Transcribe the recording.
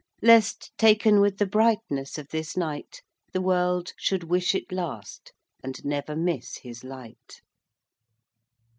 Lest, taken with the brightness of this night, The world should wish it last and never miss his light.